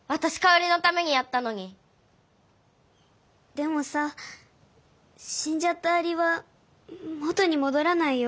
でもさしんじゃったアリは元にもどらないよ。